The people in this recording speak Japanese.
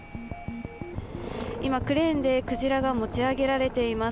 今、クレーンでクジラが持ち上げられています。